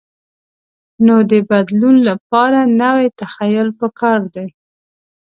نو د بدلون لپاره نوی تخیل پکار دی.